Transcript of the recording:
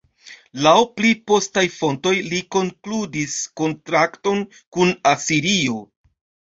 Laŭ pli postaj fontoj li konkludis kontrakton kun Asirio.